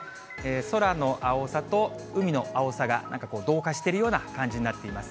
空の青さと海の青さが、なんか同化しているような感じになっています。